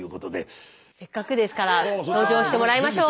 せっかくですから登場してもらいましょう。